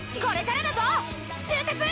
「これからだぞ！